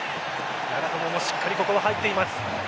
長友もしっかりここは入っています。